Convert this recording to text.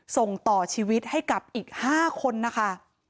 ส่งต่อชีวิตให้กับอีก๕คนนะคะ